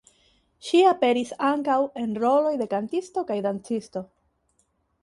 Ŝi aperis ankaŭ en roloj de kantisto kaj dancisto.